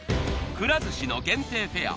くら寿司の限定フェア。